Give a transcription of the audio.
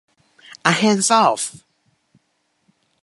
A Hands Off!